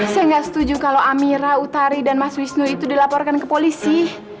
saya nggak setuju kalau amira utari dan mas wisnu itu dilaporkan ke polisi